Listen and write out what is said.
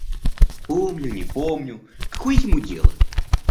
Помню, не помню... Какое ему дело?